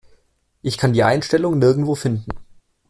Ich kann die Einstellung nirgendwo finden.